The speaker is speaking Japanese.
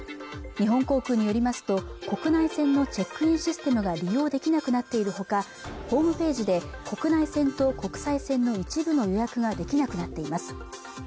日本航空によりますと国内線のチェックインシステムが利用できなくなっているほかホームページで国内線と国際線の一部の予約ができなくなっています